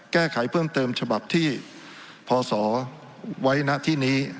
แก้ไขเพิ่มเติมฉบับที่พศไว้ณที่นี้